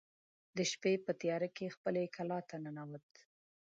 د شپې په تیاره کې خپلې کلا ته ننوت.